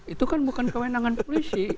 itu kan bukan kewenangan polisi